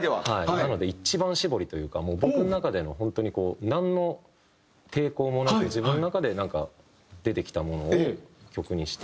なので一番搾りというかもう僕の中での本当にこうなんの抵抗もなく自分の中でなんか出てきたものを曲にして。